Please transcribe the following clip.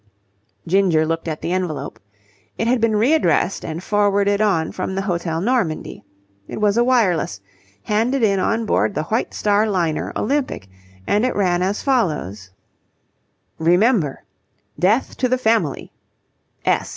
Ginger looked at the envelope. It had been readdressed and forwarded on from the Hotel Normandie. It was a wireless, handed in on board the White Star liner Olympic, and it ran as follows: Remember. Death to the Family.